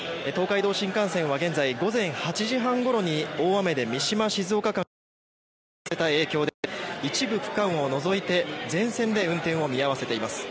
東海道新幹線は現在午前８時半ごろに大雨で三島静岡間で降った雨の影響で一部区間を除いて全線で運転を見合わせています。